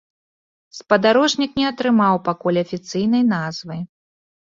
Спадарожнік не атрымаў пакуль афіцыйнай назвы.